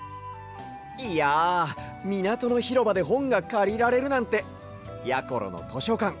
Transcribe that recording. いやみなとのひろばでほんがかりられるなんてやころのとしょかん